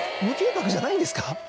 無計画じゃないんですか？